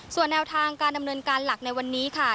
ส่วนแนวทางการดำเนินการหลักในวันนี้ค่ะ